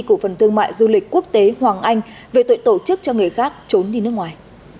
của phần thương mại du lịch quốc tế hoàng anh về tội tổ chức cho người khác trốn đi nước ngoài